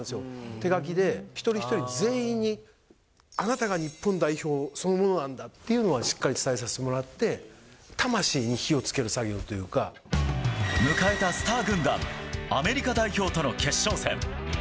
手書きで、一人一人全員に、あなたが日本代表そのものなんだっていうのは、しっかり伝えさせてもらって、迎えたスター軍団、アメリカ代表との決勝戦。